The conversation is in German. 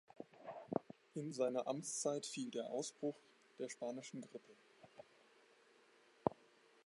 In seine Amtszeit fiel der Ausbruch der Spanischen Grippe.